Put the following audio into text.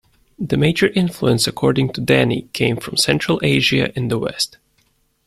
The major influence, according to Dani, came from Central Asia in the west.